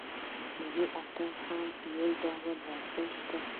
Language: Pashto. ملي اتڼ هم یو ډول ورزش دی.